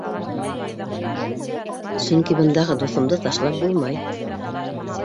Сөнки бындағы дуҫымды ташлап булмай.